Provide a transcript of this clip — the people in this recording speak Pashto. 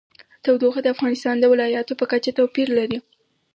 تودوخه د افغانستان د ولایاتو په کچه توپیر لري.